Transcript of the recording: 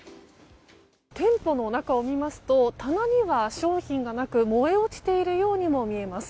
店舗の中を見ますと棚には商品がなく燃え落ちているようにも見えます。